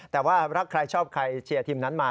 แต่ว่ารักใครชอบใครเชียร์ทีมนั้นมา